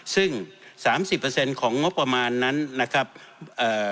ซึ่งสามสิบเปอร์เซ็นต์ของงบประมาณนั้นนะครับเอ่อ